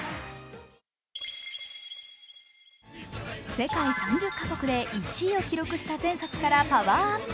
世界３０か国で１位を記録した前作からパワーアップ。